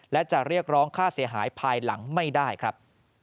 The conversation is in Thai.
และจะเรียกร้องค่าเสียหายภายหลังไม่ได้ครับ